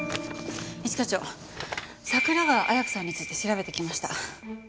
一課長桜川彩華さんについて調べてきました。